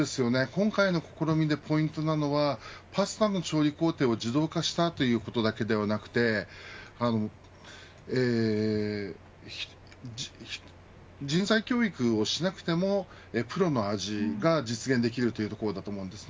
今回の試みでポイントなのはパスタの調理工程を自動化したということだけではなくて人材教育をしなくてもプロの味が実現できるというところだと思います。